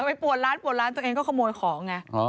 ไปปวดร้านปวดร้านตัวเองก็ขโมยของไง